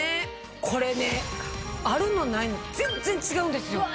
これあるのないの全然違うんですよ！